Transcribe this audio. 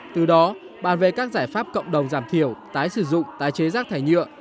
từ đó bàn về các giải pháp cộng đồng giảm thiểu tái sử dụng tái chế rác thải nhựa